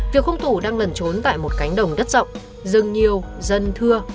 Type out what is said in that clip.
việc hung thủ đang lẩn trốn tại một cánh đồng đất rộng rừng nhiều dân thưa